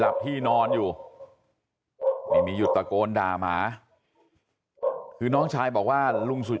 หลับที่นอนอยู่อย่าไปโดนตลอกอลด่าหมาชายบอกว่าลุงหลุง